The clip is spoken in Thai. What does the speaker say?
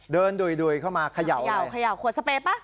เดินดุยเข้ามาเขย่าอะไรเขย่าขวดสเปรย์ป่ะ